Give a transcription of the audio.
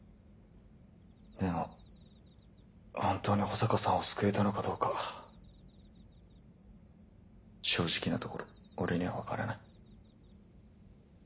でも本当に保坂さんを救えたのかどうか正直なところ俺には分からない。